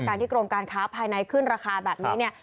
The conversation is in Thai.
ที่กรมการค้าภายในขึ้นราคาแบบนี้เนี่ย